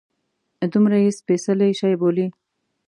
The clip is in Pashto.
دومره یې سپیڅلی شي بولي.